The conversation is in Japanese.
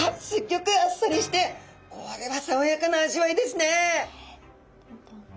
ギョくあっさりしてこれはさわやかな味わいですね！